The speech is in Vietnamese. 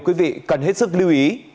quý vị cần hết sức lưu ý